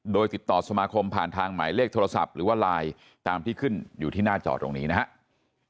โดยติดต่อสมาคมผ่านทางหมายเลขโทรศัพท์หรือว่าไลน์ตามที่ขึ้นอยู่ที่หน้าจอตรงนี้นะครับ